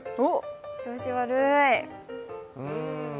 調子悪い。